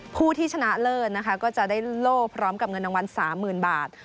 ผู้ที่ชนะเลิศนะคะก็จะได้โล่พร้อมกับเงินรางวัล๓๐๐๐บาท